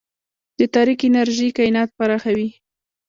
د تاریک انرژي کائنات پراخوي.